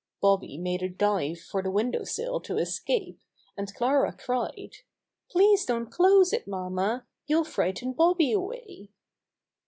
Bobby made a dive for the window sill to escape, and Clara cried: "Please don't close it, mamma. You'll frighten Bobby away."